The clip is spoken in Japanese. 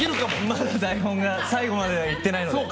まだ台本が最後までいってないので。